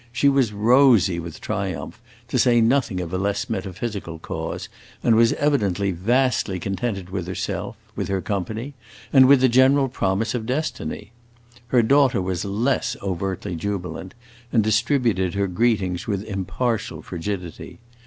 She was rosy with triumph, to say nothing of a less metaphysical cause, and was evidently vastly contented with herself, with her company, and with the general promise of destiny. Her daughter was less overtly jubilant, and distributed her greetings with impartial frigidity.